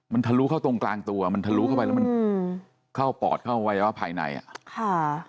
มันทะลุเข้าตรงกลางตัวมันทะลุเข้าไปแล้วมันเข้าปอดเข้าวัยวะภายในอ่ะค่ะ